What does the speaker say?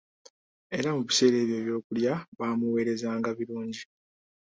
Era mu biseera ebyo ebyokulya baamuweerezanga birungi.